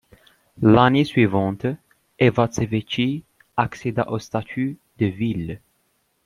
L'année suivante, Ivatsevitchy accéda au statut de ville.